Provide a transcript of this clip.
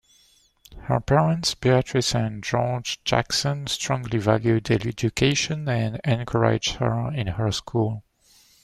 Her parents, Beatrice and George Jackson, strongly valued education and encouraged her in school.